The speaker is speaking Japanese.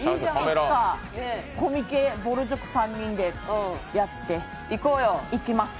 コミケ、ぼる塾３人でやって行きます。